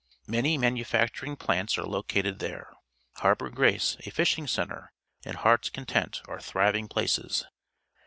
Many manufacturing plants are located there. Harbour Gract, a fisliing centre, and He art's Content a re thriving places.